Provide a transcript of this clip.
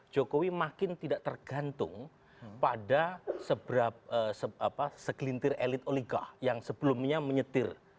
jokowi makin tidak tergantung pada segelintir elit oliga yang sebelumnya menyetir